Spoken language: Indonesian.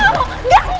lepasin gue gua gamau